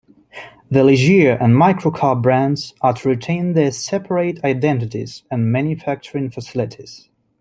The Ligier and Microcar brands are to retain their separate identities and manufacturing facilities.